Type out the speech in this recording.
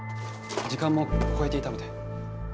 時間も超えていたので。